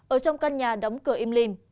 ở trong căn nhà đóng cửa im lìm